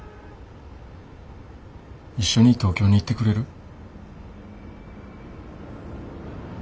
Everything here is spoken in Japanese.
一緒に東京に行ってくれる？